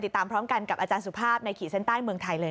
ติดตามพร้อมกันกับอาจารย์สุภาพในขีดเส้นใต้เมืองไทยเลย